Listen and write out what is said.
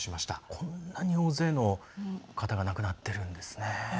こんなに大勢の方が亡くなってるんですね。